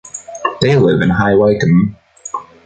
They live in High Wycombe.